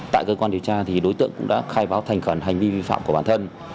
tại cơ quan điều tra thì đối tượng cũng đã khai báo thành khẩn hành vi vi phạm của bản thân